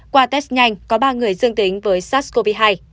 qua test nhanh có ba người dương tính với sars cov hai